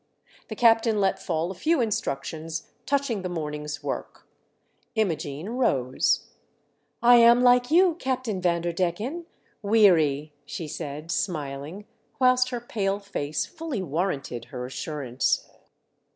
The captain let fall a few instructions touching the morning's work. Imogene rose. " I am like you, Captain Vanderdecken — weary," she said, smiling, whilst her pale face fullv warranted her assurance.